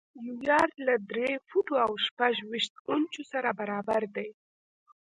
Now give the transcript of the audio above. یو یارډ له درې فوټو او شپږ ویشت انچو سره برابر دی.